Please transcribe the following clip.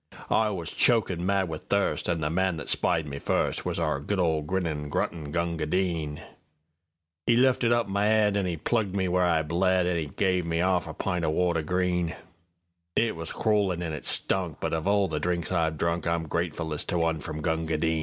I was chokin' mad with thirst, An' the man that spied me firstWas our good old grinnin', gruntin' Gunga Din.'E lifted up my 'ead, An' 'e plugged me where I bled, An' 'e guv me 'arf a pint o' water—green; It was crawlin' an' it stunk, But of all the drinks I've drunk, I'm gratefullest to one from Gunga Din.